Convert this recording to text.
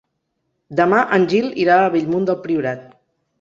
Demà en Gil irà a Bellmunt del Priorat.